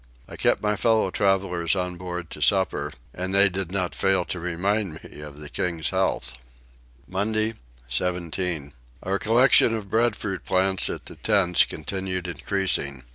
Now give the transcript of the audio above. I kept my fellow travellers on board to supper and they did not fail to remind me of the king's health. Monday 17. Our collection of breadfruit plants at the tents continued increasing.